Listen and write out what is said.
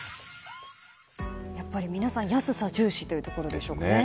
やっぱり皆さん安さ重視というところですよね。